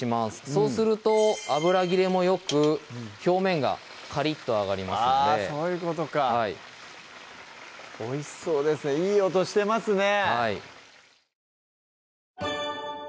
そうすると油ぎれもよく表面がカリッと揚がりますのであそういうことかおいしそうですねいい音してますね！